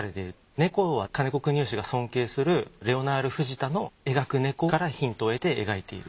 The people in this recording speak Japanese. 猫は金子國義が尊敬するレオナール・フジタの描く猫からヒントを得て描いている。